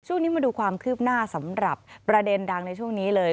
ช่วงนี้มาดูความคืบหน้าสำหรับประเด็นดังในช่วงนี้เลย